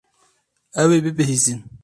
Ew ê bibihîzin.